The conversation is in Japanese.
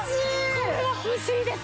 これは欲しいです！